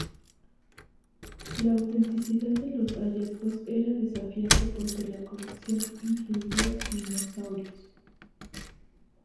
La autenticidad de los hallazgos era desafiante porque la colección incluía dinosaurios.